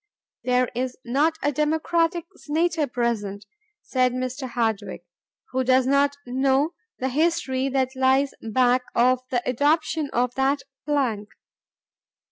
"There is not a Democratic Senator present," said Mr. Hardwick, "who does not know the history that lies back of the adoption of that plank.